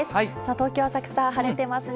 東京・浅草、晴れてますね。